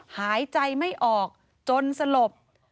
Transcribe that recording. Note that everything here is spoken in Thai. หายใจไม่ออกจนสลบ